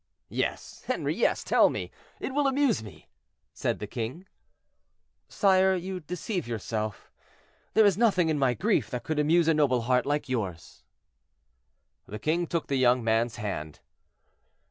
"Yes, Henri, yes; tell me. It will amuse me," said the king. "Sire, you deceive yourself; there is nothing in my grief that could amuse a noble heart like yours." The king took the young man's hand.